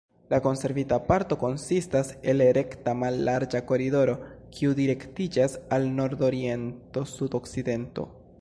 La konservita parto konsistas el rekta mallarĝa koridoro, kiu direktiĝas al nordoriento-sudokcidento.